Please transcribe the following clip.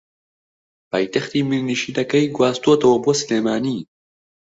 پایتەختی میرنشینەکەی گواستووەتەوە بۆ سلێمانی